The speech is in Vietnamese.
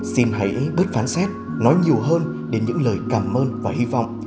xin hãy bớt phán xét nói nhiều hơn đến những lời cảm ơn và hy vọng